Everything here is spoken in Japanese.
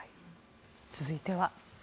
続いては。